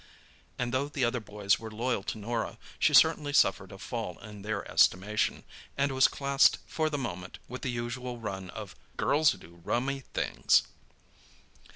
And though the other boys were loyal to Norah, she certainly suffered a fall in their estimation, and was classed for the moment with the usual run of "girls who do rummy things."